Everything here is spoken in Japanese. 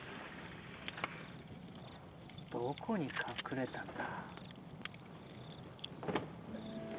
どこに隠れたんだ？